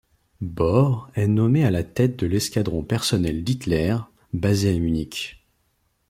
Baur est nommé à la tête de l'escadron personnel d'Hitler, basé à Munich.